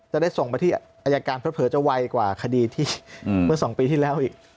จะได้ส่งมาที่อายการเผลอจะไวกว่าคดีที่เมื่อ๒ปีที่แล้วอีก